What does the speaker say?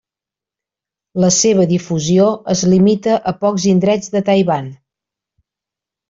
La seva difusió es limita a pocs indrets de Taiwan.